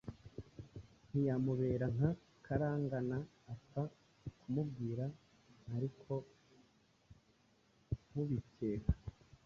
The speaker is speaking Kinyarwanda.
ntiyamubera nka Karangana apfa kumubwira ariko nk’ubikeka;